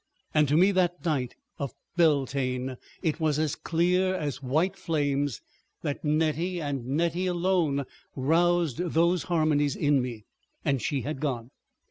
... And to me that night of Beltane, it was as clear as white flames that Nettie, and Nettie alone, roused those harmonies in me. And she had gone!